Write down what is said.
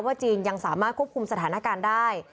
จีนยังสามารถควบคุมสถานการณ์ได้